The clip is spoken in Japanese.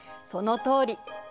そのとおり。